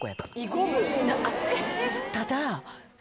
ただ。